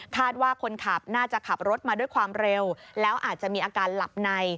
ว่าคนขับน่าจะขับรถมาด้วยความเร็วแล้วอาจจะมีอาการหลับใน